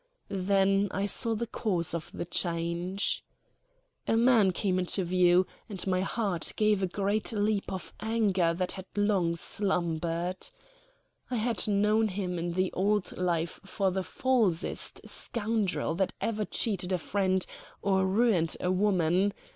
Then I saw the cause of the change. A man came into view, and my heart gave a great leap of anger that had long slumbered. I had known him in the old life for the falsest scoundrel that ever cheated a friend or ruined a woman.